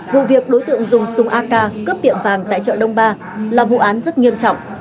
vụ việc đối tượng dùng súng ak cướp tiệm vàng tại chợ đông ba là vụ án rất nghiêm trọng